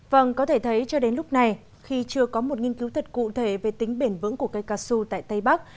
vâng có thể thấy cho đến lúc này khi chưa có một nghiên cứu thật cụ thể về tính bền vững của cây cao su tại tây bắc